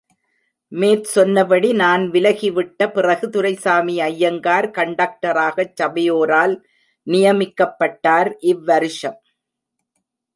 மேற்சொன்னபடி நான் விலகிவிட்ட பிறகு துரைசாமி ஐயங்கார், கண்டக்டராகச் சபையோரால் நியமிக்கப்பட்டார், இவ்வருஷம்.